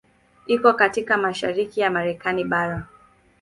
Iko katika mashariki ya Marekani bara.